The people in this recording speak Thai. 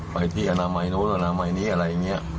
ไปที่อนามัยนู้นอนามัยนี้อะไรอย่างนี้